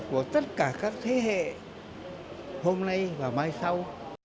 của tất cả các thế hệ hôm nay và mai sau